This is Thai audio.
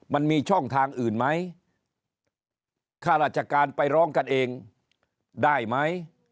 มันมีช่องทางอื่นไหมข้าราชการไปร้องกันเองได้ไหม